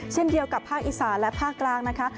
เช่นเดียวกับภาคอีสานและภาคกลางนะคะ